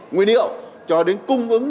nguyên liệu cho đến cung ứng